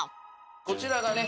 こちらがね